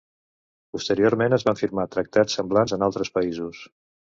Posteriorment, es van firmar tractats semblants en altres països.